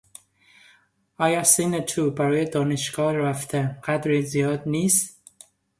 آیا سن تو برای دانشگاه رفتن قدری زیاد نیست؟